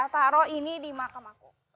taruh ini di makam aku